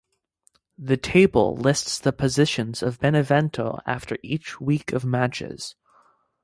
The table lists the positions of Benevento after each week of matches.